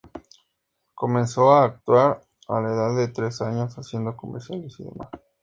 Comenzó a actuar a la edad de tres años, haciendo comerciales y demás.